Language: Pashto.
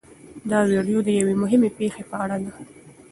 دا ویډیو د یوې مهمې پېښې په اړه ده.